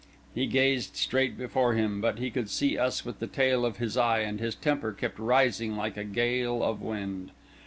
He gazed straight before him; but he could see us with the tail of his eye, and his temper kept rising like a gale of wind.